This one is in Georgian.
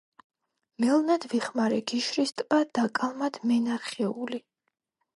მელნად ვიხმარე გიშრის ტბა და კალმად მე ნა რხეული,